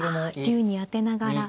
竜に当てながら。